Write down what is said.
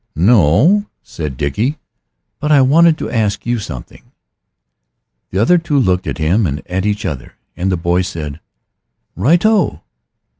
"No," said Dickie; "but I wanted to ask you something." The other two looked at him and at each other, and the boy said, "Righto."